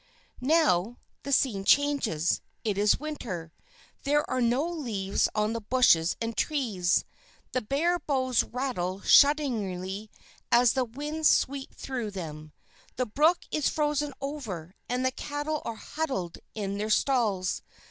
Now the scene changes; it is winter. There are no leaves on the bushes and trees. The bare boughs rattle shudderingly as the winds sweep through them. The brook is frozen over and the cattle are huddled in their stalls.